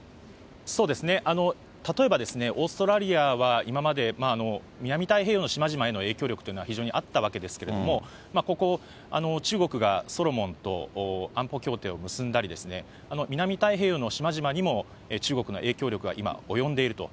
例えばですね、オーストラリアは今まで南太平洋の島々への影響力というのは非常にあったわけですけれども、ここ、中国がソロモンと安保協定を結んだり、南太平洋の島々にも中国の影響力が今、及んでいると。